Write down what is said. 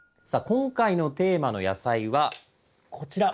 今回のテーマの野菜はこちら！